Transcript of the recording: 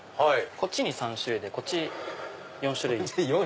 こっちに３種類でこっち４種類。